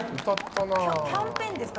キャンペーンですか？